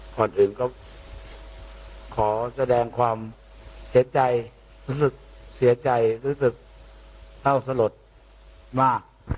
ก่อนอื่นขอแสดงความเสียใจรู้สึกเศร้าสลดมาก